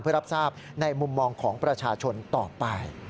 เพื่อรับทราบในมุมมองของประชาชนต่อไป